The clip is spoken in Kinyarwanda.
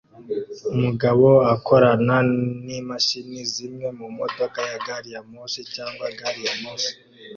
Umugabo akorana nimashini zimwe mumodoka ya gari ya moshi cyangwa gari ya moshi